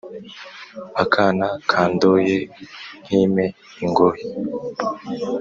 akana kandoye nkime ingohe